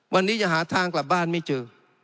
วันนี้จะหาทางกลับบ้านไม่เจอ